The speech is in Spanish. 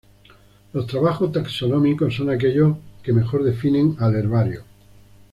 Los trabajos taxonómicos son aquellos que mejor definen al herbario.